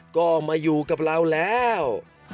ก็มาอยู่กับเราแล้ว